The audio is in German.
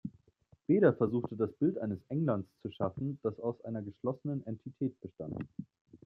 Beda versuchte das Bild eines Englands zu schaffen, das aus einer geschlossenen Entität bestand.